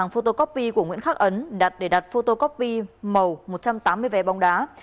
photo copy màu một trăm tám mươi vé bóng đá